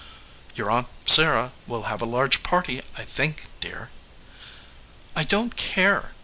"Your aunt Sarah will have a large party, I think,^ dear." "I don t care.